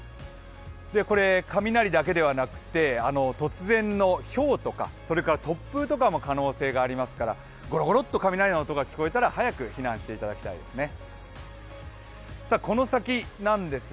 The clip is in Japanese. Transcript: これ雷だけではなくて突然のひょうとかそれから突風とかの可能性もありますからゴロゴロッと雷の音が聞こえたら早く避難したいですね。